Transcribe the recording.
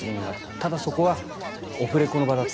ただ、それはオフレコの場だった。